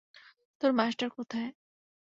তোর মাস্টার কোথায়?